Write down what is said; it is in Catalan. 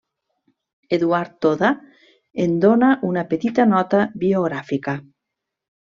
Eduard Toda en dóna una petita nota biogràfica.